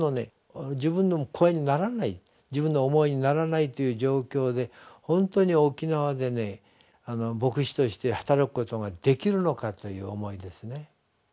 自分の声にならない自分の思いにならないという状況で本当に沖縄でね牧師として働くことができるのかという思いですね。